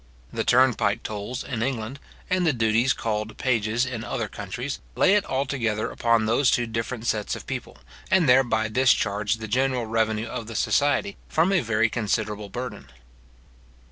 The turnpike tolls in England, and the duties called peages in other countries, lay it altogether upon those two different sets of people, and thereby discharge the general revenue of the society from a very considerable burden.